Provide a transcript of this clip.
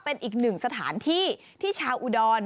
เป็นอีกหนึ่งสถานที่ที่ชาวอุดร